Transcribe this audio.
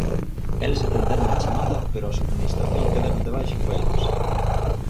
Eles atenderon a chamada pero a subministración que deron de baixa foi a nosa.